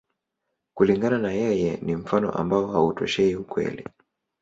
Kulingana na yeye, ni mfano ambao hautoshei ukweli.